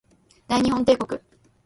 大日本帝国